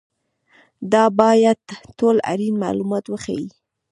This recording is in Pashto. دا باید ټول اړین معلومات وښيي.